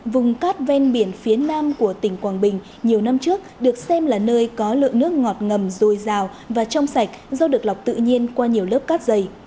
vùng cát ven biển phía nam của tỉnh quảng bình nhiều năm trước được xem là nơi có lượng nước ngọt ngầm dồi dào và trong sạch do được lọc tự nhiên qua nhiều lớp cát dày